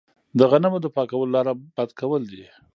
د غنمو د پاکولو لاره باد کول دي.